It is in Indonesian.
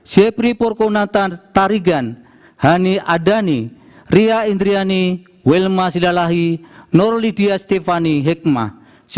sepri purkunatarigan hani adani ria indriani wilma silalahi nor lydia stephanie hikmah